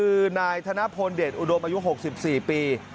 คือนายธนพลเดชอุดมอายุ๖๔ปี